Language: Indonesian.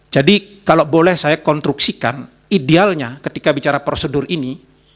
jadi kalau boleh saya konstruksikan idealnya ketika bicara prosedur ini